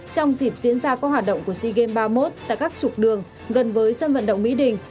trong dịp diễn ra các hoạt động của sea games ba mươi một tại các trục đường gần với sân vận động mỹ đình